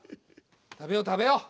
食べよう食べよう。